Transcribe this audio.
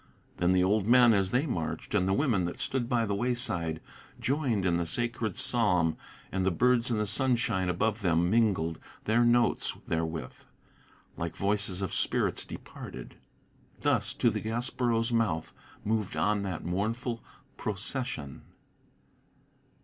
Then the old men, as they marched, and the women that stood by the wayside Joined in the sacred psalm, and the birds in the sunshine above them Mingled their notes therewith, like voices of spirits departed. Thus to the Gaspereau's mouth moved on that mournful procession.